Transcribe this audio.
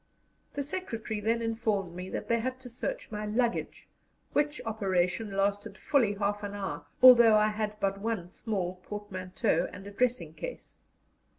The secretary then informed me that they had to search my luggage, which operation lasted fully half an hour, although I had but one small portmanteau and a dressing case.